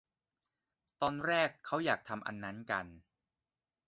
ตอนแรกเขาอยากทำอันนั้นกัน